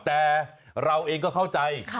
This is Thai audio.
แต่เราเองก็เข้าใจ